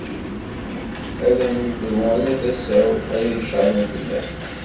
Ad am-ibru ala tasa-w ara icaḍen fell-am.